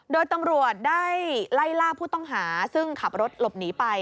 โดยตำรวจได้ไล่ล่าผู้ต้องหาซึ่งขับรถหลบหนีไป